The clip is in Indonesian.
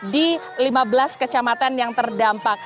di lima belas kecamatan yang terdampak